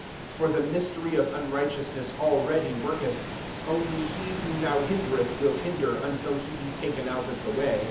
7 For the mystery of unrighteousness already worketh : only he who now hindereth nvill hinder, until he be taken out of the way.